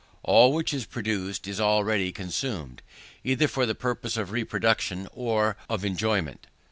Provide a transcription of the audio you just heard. All which is produced is already consumed, either for the purpose of reproduction or of enjoyment.